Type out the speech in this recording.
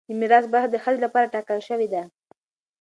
د میراث برخه د ښځې لپاره ټاکل شوې ده.